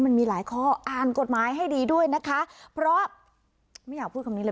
มันมีหลายข้ออ่านกฎหมายให้ดีด้วยนะคะเพราะไม่อยากพูดคำนี้เลย